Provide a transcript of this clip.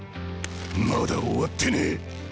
まだ終わってねえ。